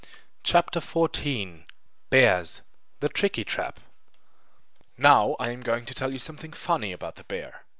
CHAPTER XIV Bears: The Tricky Trap Now I am going to tell you something funny about the bear.